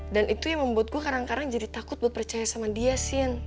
dan itu yang membuat gue kadang kadang jadi takut buat percaya sama dia cin